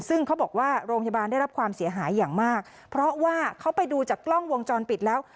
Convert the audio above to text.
ซึ่งเขาบอกว่าโรงพยาบาลได้รับความเสียหายอย่างมากเพราะว่าเขาไปดูจากกล้องวงจรปิดแล้ว